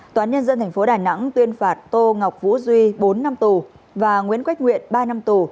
tòa án nhân dân tp đà nẵng tuyên phạt tô ngọc vũ duy bốn năm tù và nguyễn quách nguyện ba năm tù